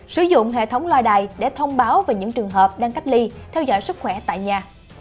sử dụng hệ thống loa đài để thông báo về những trường hợp đang cách ly theo dõi sức khỏe tại nhà